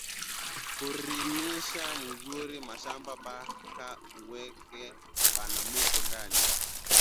Kurimisha muzuri mashamba paka uweke banamuke ndani